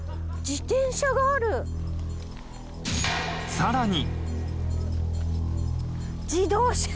［さらに］